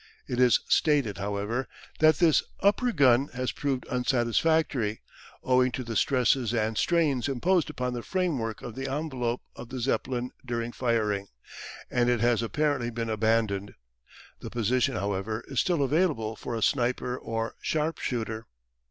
It is stated, however, that this upper gun has proved unsatisfactory, owing to the stresses and strains imposed upon the framework of the envelope of the Zeppelin during firing, and it has apparently been abandoned. The position, however, is still available for a sniper or sharpshooter.